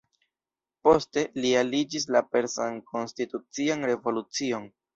Poste, li aliĝis la Persan Konstitucian Revolucion.